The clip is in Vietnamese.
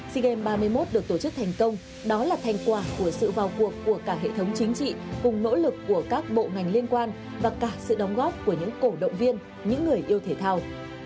sea games ba mươi một được tổ chức thành công đó là thành quả của sự vào cuộc của cả hệ thống chính trị cùng nỗ lực của các bộ ngành liên quan và cả sự đóng góp của những cổ động viên những người yêu thể thao